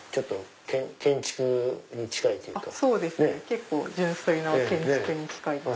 結構純粋な建築に近い。